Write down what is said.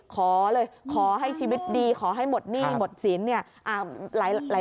ขอเลยขอให้ชีวิตดีขอให้หมดหนี้หมดสินเนี่ย